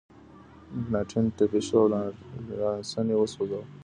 مکناتن ټپي شو او لارنس یې وسوځاوه.